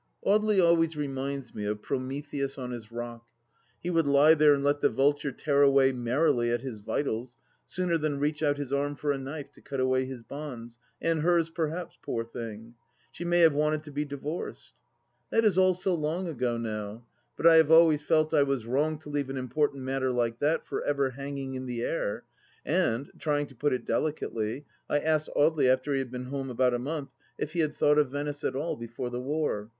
Audely always reminds me of Prometheus on his rock. He would lie there and let the vulture tear away merrily at his vitals, sooner than reach out his arm for a knife to cut away his bonds — and hers, perhaps, poor thing ! She may have wanted to be divorced ? That is all so long ago now, but I have always felt I was wrong to leave an important matter like that for ever hanging in the air, and, trying to put it delicately, I asked Audely, after he had been home about a month, if he had thought of Venice at all before the war